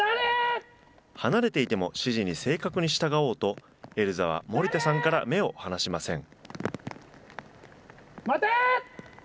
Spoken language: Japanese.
離れていても、指示に正確に従おうと、エルザは森田さんから目を離しません。